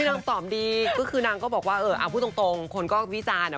นางตอบดีก็คือนางก็บอกว่าเออเอาพูดตรงคนก็วิจารณ์อ่ะ